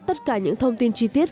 tất cả những thông tin chi tiết